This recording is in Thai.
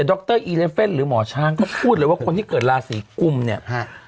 ดรอีเลเฟ่นหรือหมอช้างก็พูดเลยว่าคนที่เกิดราศีกุมเนี่ยฮะ